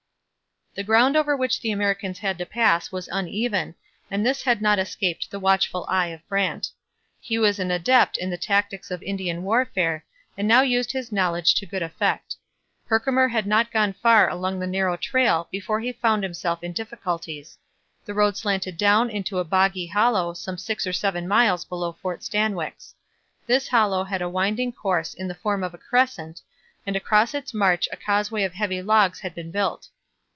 The ground over which the Americans had to pass was uneven, and this had not escaped the watchful eye of Brant. He was an adept in the tactics of Indian warfare, and now used his knowledge to good effect. Herkimer had not gone far along the narrow trail before he found himself in difficulties. The road slanted down into a boggy hollow some six or seven miles below Fort Stanwix. This hollow had a winding course in the form of a crescent, and across its march a causeway of heavy logs had been built.